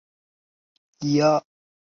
由受到黑色流星支配的白井大和所创造。